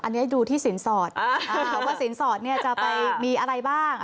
อันนี้ดูที่สินสอดว่าสินสอดจะไปมีอะไรบ้าง